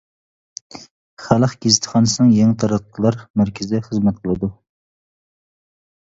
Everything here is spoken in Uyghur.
خەلق گېزىتخانىسىنىڭ يېڭى تاراتقۇلار مەركىزىدە خىزمەت قىلىدۇ.